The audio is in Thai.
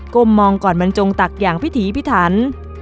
้มมองก่อนบรรจงตักอย่างพิถีพิถัน